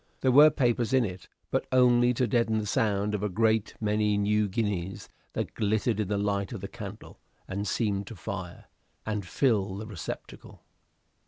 There were papers in it, but only to deaden the sound of a great many new guineas that glittered in the light of the candle, and seemed to fire, and fill the receptacle.